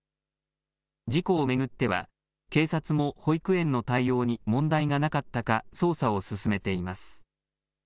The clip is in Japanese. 事故を巡っては、警察も保育園の対応に問題がなかったか捜査を進めています。